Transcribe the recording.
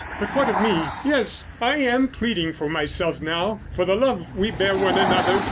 But what of me. Yes, I am pleading for myself now. For the love we bear one another."